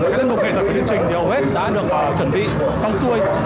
các âm mục kể tật của chương trình thì hầu hết đã được chuẩn bị xong xuôi